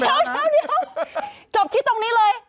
เดี๋ยวจบที่ตรงนี้เลย